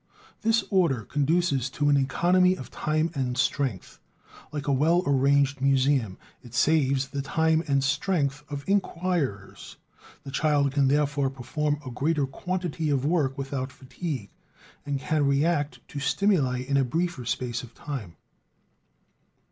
This order conduces to an economy of time and strength; like a well arranged museum, it saves the time and strength of inquirers. The child can therefore perform a greater quantity of work without fatigue, and can react to stimuli in a briefer space of time.